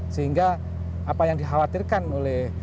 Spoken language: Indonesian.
sehingga apa yang dikhawatirkan oleh